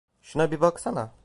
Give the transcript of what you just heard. Şuna bir baksana.